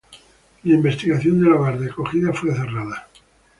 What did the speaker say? La investigación del hogar de acogida fue cerrada.